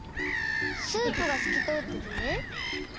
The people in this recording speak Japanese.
スープがすきとおっててね。